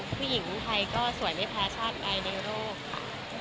ผู้หญิงไทยก็สวยไม่แพ้ชาติใดในโลกค่ะ